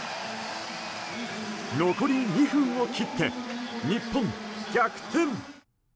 残り２分を切って、日本逆転！